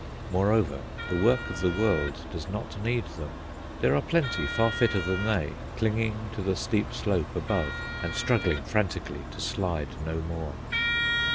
Moreover, the work of the world does not need them. There are plenty, far fitter than they, clinging to the steep slope above, and struggling frantically to slide no more.